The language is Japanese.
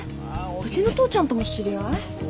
うちの父ちゃんとも知り合い？